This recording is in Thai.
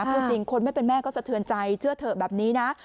พูดจริงคนไม่เป็นแม่ก็สะเทือนใจเชื่อเถอะแบบนี้นะ